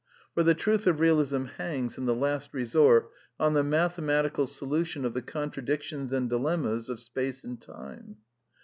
For the truth ^^^^ Bealism hangs, in the last resort, on the mathematical^ » solution of the contradictions and dilenmias of space and time.